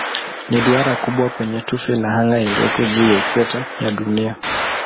Ni duara kubwa kwenye tufe la anga iliyopo juu ya ikweta ya Dunia.